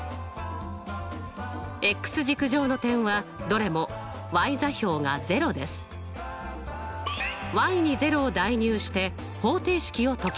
軸上の点はどれも座標が０ですに０を代入して方程式を解きます。